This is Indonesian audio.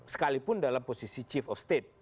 sekalipun dalam posisi chief of state